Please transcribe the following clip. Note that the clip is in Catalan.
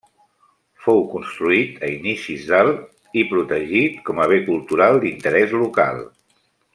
Fou construït a inicis del i protegit com a bé cultural d'interès local.